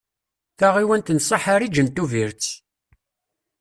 Taɣiwant n Saḥariǧ n Tuviret.